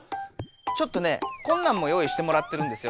ちょっとねこんなんも用いしてもらってるんですよね。